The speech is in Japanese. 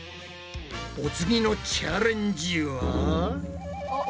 お次のチャレンジは？おっ。